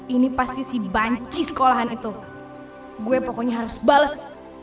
ini pasti si banci sekolahan itu gue pokoknya harus bales